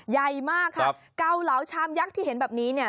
ใหญ่มากครับเกาเหลาชามยักษ์ที่เห็นแบบนี้เนี่ย